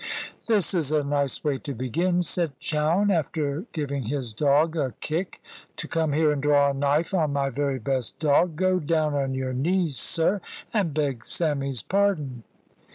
"This is a nice way to begin," said Chowne, after giving his dog a kick, "to come here and draw a knife on my very best dog. Go down on your knees, sir, and beg Sammy's pardon."